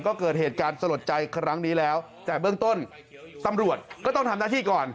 ก็เกิดเหตุการณ์สลดใจครั้งนี้แล้วแต่เบื้องต้นตำรวจก็ต้องทำหน้าที่ก่อน